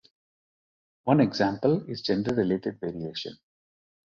One example is gender related variation.